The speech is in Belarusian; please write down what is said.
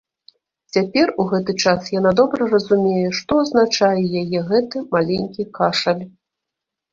Цяпер, у гэты час, яна добра разумее, што азначае яе гэты маленькі кашаль.